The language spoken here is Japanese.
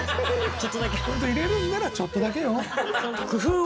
本当入れるんならちょっとだけよ？